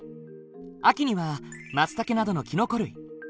秋にはまつたけなどのきのこ類。